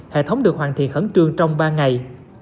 hệ thống được hoàn thiện khẩn trương trong ba ngày